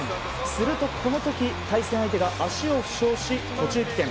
するとこの時、対戦相手が足を負傷し途中棄権。